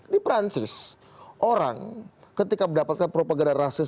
di perancis orang ketika mendapatkan propaganda rasis